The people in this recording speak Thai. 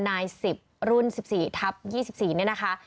นาย๑๐รุ่น๑๔ทับ๒๔เนี่ยนะคะ